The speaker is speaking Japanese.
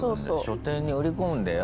書店に売り込んでよ。